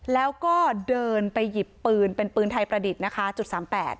แล้วก็เดินไปหยิบปืนเป็นปืนไทยประดิษฐ์นะคะจุดสามแปด